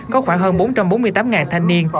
có khoảng hơn bốn trăm bốn mươi tám thanh niên